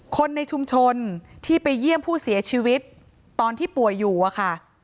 คนในชุมชนที่ไปเยี่ยมผู้เสียชีวิตตอนที่ป่วยอยู่อะค่ะ